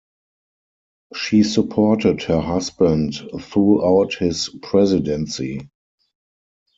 She supported her husband throughout his presidency.